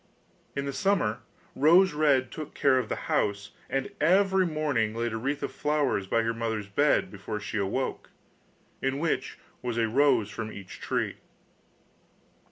In the summer Rose red took care of the house, and every morning laid a wreath of flowers by her mother's bed before she awoke, in which was a rose from each tree.